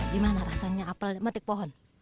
gimana rasanya apel yang dipetik pohon